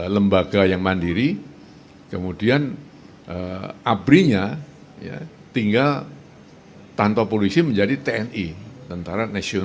lombaga yang mandiri kemudian abrinya tinggal tantau polisi menjadi tni tni